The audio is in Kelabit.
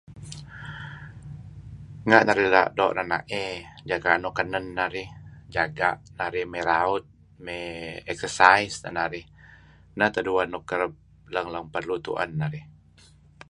Nga' narih doo' renaey jaga' nuk kenen narih, jaga' narih may raut, may exercise teh narih neh teh dueh nuk kereb lang-lang perlu tuen narih.